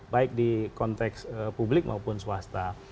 baik di konteks publik maupun swasta